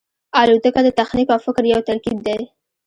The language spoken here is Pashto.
الوتکه د تخنیک او فکر یو ترکیب دی.